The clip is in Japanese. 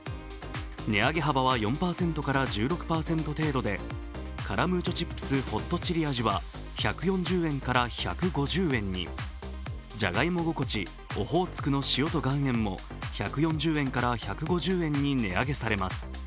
値上げ幅は４％から１６％程度でカラムーチョチップスホットチリ味は１４０円から１５０円に、じゃがいも心地オホーツクの塩と岩塩も１４０円から１５０円に値上げされます。